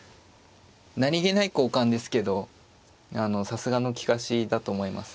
何気ない交換ですけどさすがの利かしだと思います。